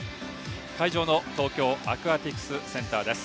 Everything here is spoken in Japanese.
会場の東京アクアティクスセンターです。